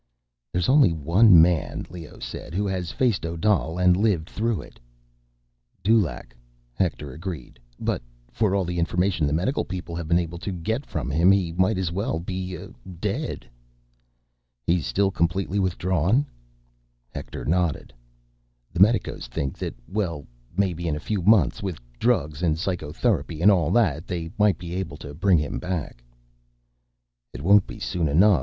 "There's only one man," Leoh said, "who has faced Odal and lived through it." "Dulaq," Hector agreed. "But ... for all the information the medical people have been able to get from him, he might as well be, uh, dead." "He's still completely withdrawn?" Hector nodded. "The medicos think that ... well, maybe in a few months, with drugs and psychotherapy and all that ... they might be able to bring him back." "It won't be soon enough.